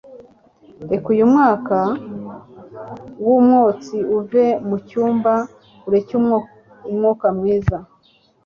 reka uyu mwuka wumwotsi uve mucyumba ureke umwuka mwiza